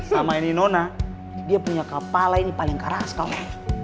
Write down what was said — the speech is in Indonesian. sama ini nona dia punya kepala ini paling keras kalau